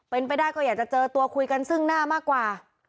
เป็นไปได้ก็อยากจะเจอตัวคุยกันซึ่งหน้ามากกว่า